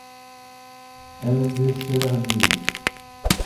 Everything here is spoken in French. L' dessert l'île.